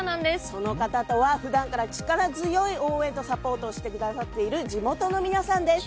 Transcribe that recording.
その方とは、ふだんから力強い応援とサポートをしてくださっている地元の皆さんです。